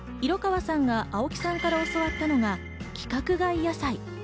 色川さんが青木さんから教わったのは規格外野菜。